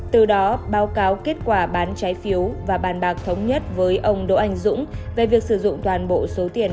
từ đó báo cáo kết quả bán trái phiếu và bàn bạc thống nhất với ông đỗ anh dũng về việc sử dụng toàn bộ số tiền